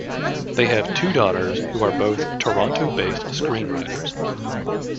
They have two daughters, who are both Toronto-based screenwriters.